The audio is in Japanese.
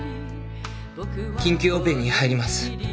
緊急オペに入ります。